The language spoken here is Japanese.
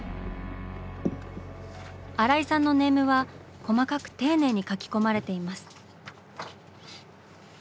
新井さんのネームは細かく丁寧に描き込まれています。